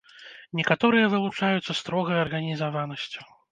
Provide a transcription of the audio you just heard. Некаторыя вылучаюцца строгай арганізаванасцю.